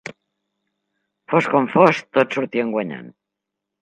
Fos com fos, tots sortien guanyant.